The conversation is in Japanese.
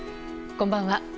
こんばんは。